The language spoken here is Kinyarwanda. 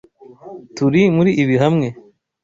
Turi muri ibi hamwe.